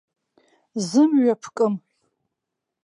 Зымҩа ԥкым.